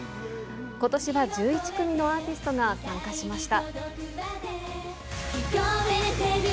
ことしは１１組のアーティストが参加しました。